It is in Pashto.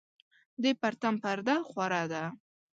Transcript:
د پرتم پرده خوره ده